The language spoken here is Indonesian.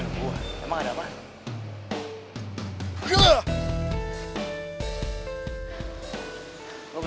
lu percaya gimana ya mau nungguin